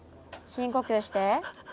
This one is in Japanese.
深呼吸して。